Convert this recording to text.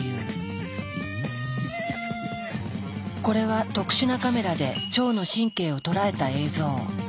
これは特殊なカメラで腸の神経を捉えた映像。